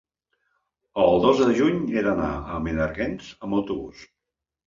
el dos de juny he d'anar a Menàrguens amb autobús.